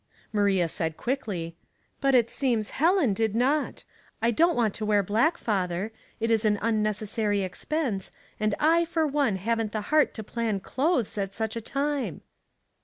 Maria said quickly, —" But it seems Helen did not. I don't want to wear black, father. It is an unnecessary ex Mourning and Dressmaking. 99 pense, and I for one haven't the heart to plan clothes at such a time."